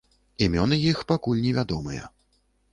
Імёны іх пакуль невядомыя.